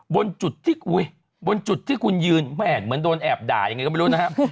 บนจุดที่อุ๊ยบนจุดที่คุณยืนแหมเหมือนโดนแอบด่ายังไงก็ไม่รู้นะครับ